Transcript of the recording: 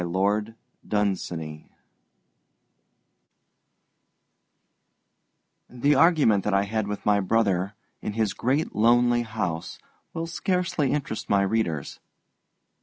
The Ghosts The argument that I had with my brother in his great lonely house will scarcely interest my readers.